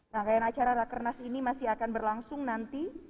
rangkaian acara rakernas ini masih akan berlangsung nanti